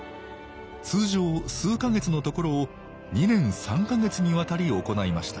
通常数か月のところを２年３か月にわたり行いました